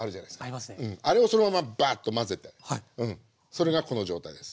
それがこの状態です。